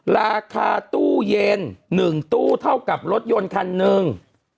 ราคาตู้เย็น๑ตู้เท่ากับรถยนต์คันหนึ่ง